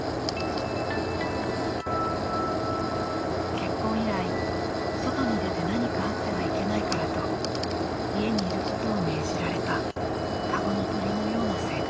［結婚以来外に出て何かあってはいけないからと家にいることを命じられた籠の鳥のような生活］